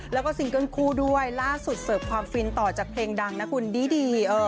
แล้วก็ซิงเกิ้ลคู่ด้วยล่าสุดเสิร์ฟความฟินต่อจากเพลงดังนะคุณดี